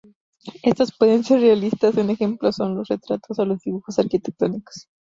Estos pueden ser realistas: un ejemplo son los retratos o los dibujos arquitectónicos.